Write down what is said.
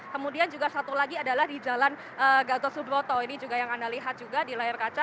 kemudian juga satu lagi adalah di jalan gatot subroto ini juga yang anda lihat juga di layar kaca